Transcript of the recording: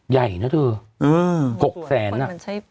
ใหญ่นะเธอ๖แสน